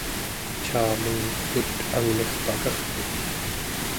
caameng ukut angnirpakartut?